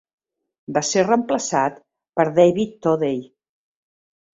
Va ser reemplaçat per David Thodey.